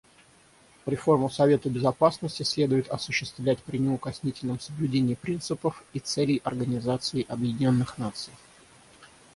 Реформу Совета Безопасности следует осуществлять при неукоснительном соблюдении принципов и целей Организации Объединенных Наций.